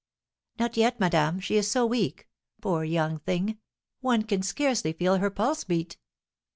"Not yet, madame, she is so weak. Poor, young thing! One can scarcely feel her pulse beat."